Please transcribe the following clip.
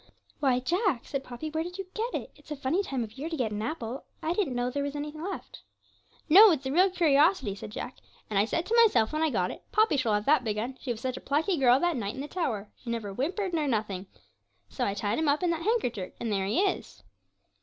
'Why, Jack,' said Poppy, 'where did you get it? It's a funny time of year to get an apple; I didn't know there was any left.' 'No, it's a real curiosity,' said Jack, 'and I said to myself when I got it, "Poppy shall have that big 'un; she was such a plucky girl that night in the tower she never whimpered nor nothing." So I tied him up in that handkercher, and there he is.'